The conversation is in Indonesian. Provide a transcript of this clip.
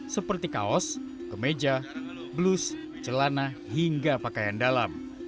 seperti kaos kemeja blus celana hingga pakaian dalam